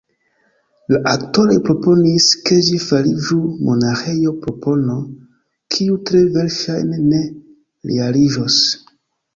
La aktoroj proponis, ke ĝi fariĝu monaĥejo – propono, kiu tre verŝajne ne realiĝos.